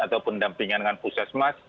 atau pendampingan dengan pusat smas